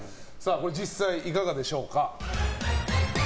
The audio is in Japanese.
実際、いかがでしょうか？